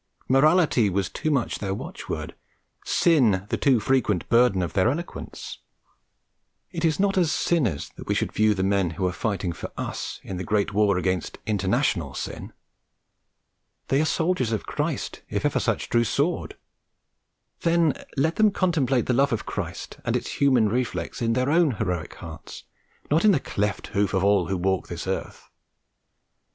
Morality was too much their watchword, Sin the too frequent burden of their eloquence. It is not as sinners that we should view the men who are fighting for us in the great war against international sin. They are soldiers of Christ if ever such drew sword; then let them contemplate the love of Christ, and its human reflex in their own heroic hearts, not the cleft in the hoof of all who walk this earth!